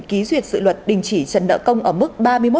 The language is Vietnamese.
ký duyệt sự luật đình chỉ trận nợ công ở mức ba mươi một bốn trăm linh